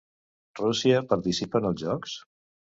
Rússia participa en els jocs?